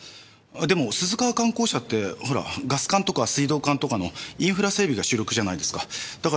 でも鈴川管工社ってほらガス管とか水道管とかのインフラ整備が主力じゃないですか。